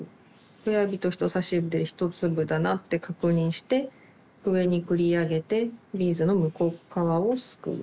親指と人さし指で１粒だなって確認して上に繰り上げてビーズの向こう側をすくう。